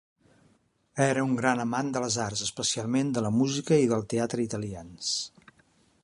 Era un gran amant de les arts, especialment de la música i del teatre italians.